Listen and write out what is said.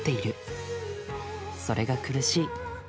それが苦しい。